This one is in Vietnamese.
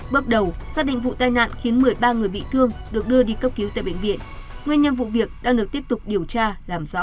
bước đầu xác định vụ tai nạn khiến một mươi ba người bị thương được đưa đi cấp cứu tại bệnh viện nguyên nhân vụ việc đang được tiếp tục điều tra làm rõ